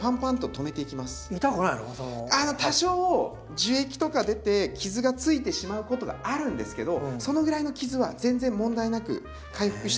あの多少樹液とか出て傷がついてしまうことがあるんですけどそのぐらいの傷は全然問題なく回復していくので。